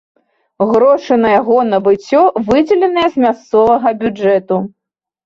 Грошы на яго набыццё выдзеленыя з мясцовага бюджэту.